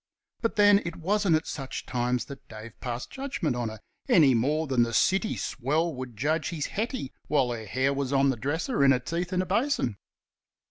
But then it wasn't at such times that Dave passed judgment on her, any more than the city swell would judge his Hetty while her hair was on the dresser and her teeth in a basin.